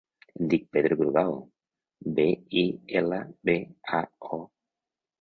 Em dic Pedro Bilbao: be, i, ela, be, a, o.